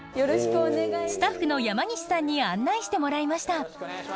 スタッフの山岸さんに案内してもらいました。